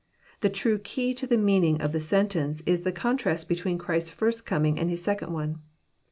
— The true key to the meaning of the sentence Is the contrast between Christ's first coming and His second one.